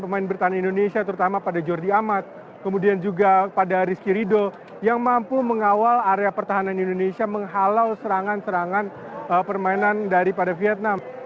pemain bertahan indonesia terutama pada jordi amat kemudian juga pada rizky ridho yang mampu mengawal area pertahanan indonesia menghalau serangan serangan permainan daripada vietnam